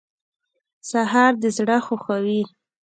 سهار د زړه خوښوي.